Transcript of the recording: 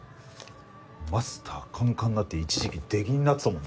マスターカンカンになって一時期出禁になってたもんな。